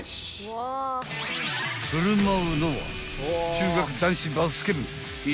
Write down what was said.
［振る舞うのは］